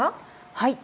はい。